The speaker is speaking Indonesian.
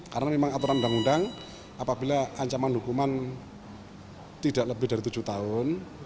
karena memang aturan undang undang apabila ancaman hukuman tidak lebih dari tujuh tahun